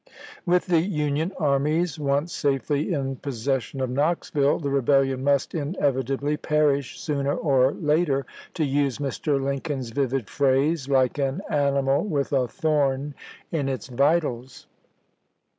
With the Union armies once safely in possession of Knoxville, the Rebellion must inevitably perish sooner or later, to use Mr. Lincoln's vivid phrase, voi. xxx., . Part I " like an animal with a thorn in its vitals." p. us."